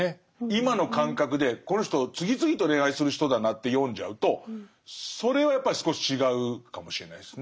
今の感覚でこの人次々と恋愛する人だなって読んじゃうとそれはやっぱり少し違うかもしれないですね。